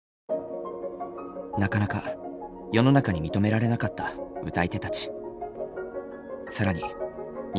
なかなか世の中に認められなかった歌い手たち。